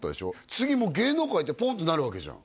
次もう芸能界ってポンとなるわけじゃん